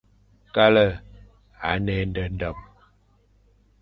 Kale à ne éndendem,